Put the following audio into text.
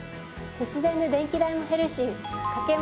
節電で電気代も減るし。